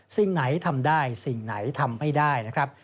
สิ่งไหนทำได้สิ่งไหนทำไม่ได้นะครับ